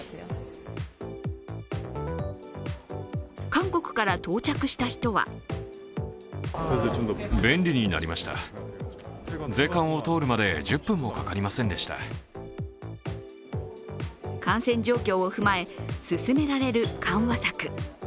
韓国から到着した人は感染状況を踏まえ、進められる緩和策。